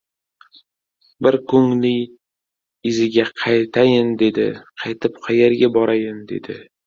Bir ko‘ngli iziga qaytayin, dedi. Qaytib qayerga borayin, dedi.